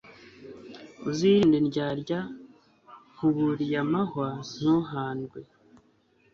Uzirinde indyarya Nkuburiye amahwa ntuhandwe